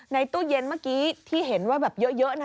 ตู้เย็นเมื่อกี้ที่เห็นว่าแบบเยอะนะ